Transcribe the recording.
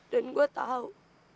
dan gue tau